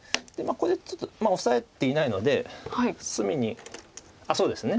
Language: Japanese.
ここでちょっとオサえていないので隅にそうですね。